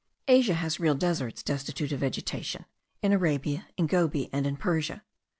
Asia has real deserts destitute of vegetation, in Arabia, in Gobi, and in Persia.